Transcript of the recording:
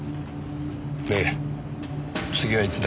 で次はいつだ。